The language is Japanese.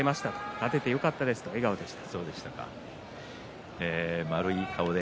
勝ててよかったですという話でした。